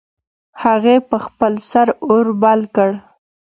هغې په خپل سر اور بل کړ